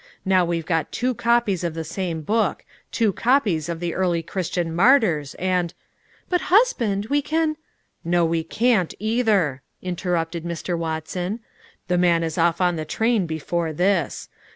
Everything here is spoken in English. Now we've got two copies of the same book, two copies of the 'Early Christian Martyrs,' and " "But, husband, we can " "No, we can't, either!" interrupted Mr. Watson. "The man is off on the train before this.